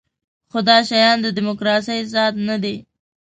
خو دا شیان د دیموکراسۍ ذات نه دی.